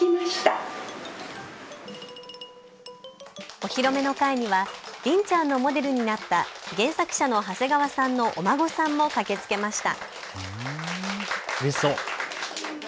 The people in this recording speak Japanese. お披露目の会にはりんちゃんのモデルになった原作者の長谷川さんのお孫さんも駆けつけました。